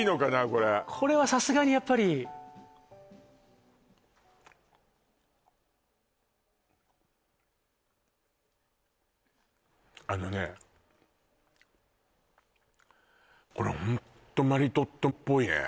これこれはさすがにやっぱりあのねこれホントマリトッツォっぽいね